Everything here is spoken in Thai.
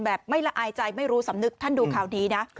ไม่ละอายใจไม่รู้สำนึกท่านดูข่าวดีนะ